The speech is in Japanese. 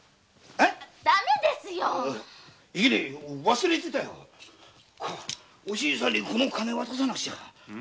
ダメですよ忘れてたよお静さんにこの金渡さなくちゃ。